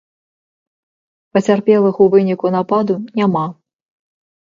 Пацярпелых у выніку нападу няма.